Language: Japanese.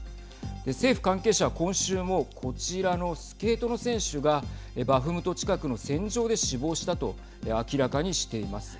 政府関係者は今週もこちらのスケートの選手がバフムト近くの戦場で死亡したと明らかにしています。